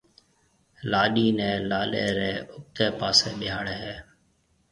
لاڏِي نيَ لاڏَي رَي اُڀتيَ پاسَي ٻيھاڙَي ھيََََ